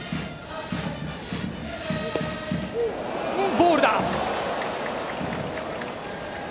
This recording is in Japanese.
ボールだ。